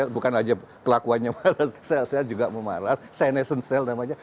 bukan aja kelakuannya malas sel sel juga memalas senesan sel namanya